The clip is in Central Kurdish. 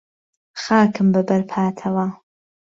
خاکم به بهر پاتهوه